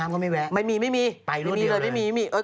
เข้าน้ำก็ไม่แวะไปรถเดียวเลยไม่มีไม่มี